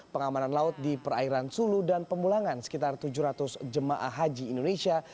pengamanan laut di perairan sulu dan pemulangan sekitar tujuh ratus jemaah haji indonesia